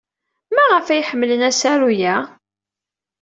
Maɣef ay ḥemmlen asaru-a?